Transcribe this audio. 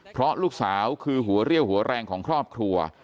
เพราะลูกสาวคือหัวเรี่ยวหัวแรงของครอบครัว